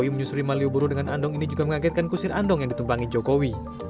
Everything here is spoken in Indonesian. perhimpunan jokowi di jalan malioboro dengan andong ini juga mengagetkan kusir andong yang ditumpangi jokowi